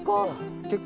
結構。